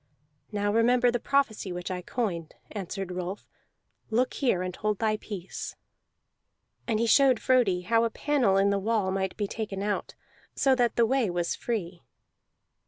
"Now remember the prophecy which I coined," answered Rolf. "Look here and hold thy peace." And he showed Frodi how a panel in the wall might be taken out, so that the way was free.